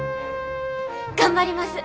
頑張ります。